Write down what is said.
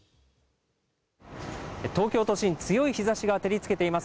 東京都心、強い日ざしが照りつけています。